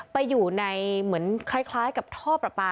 ไปอยู่ในเหมือนคล้ายกับท่อปลาปลา